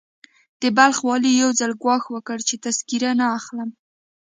د بلخ والي يو ځل ګواښ وکړ چې تذکره نه اخلم.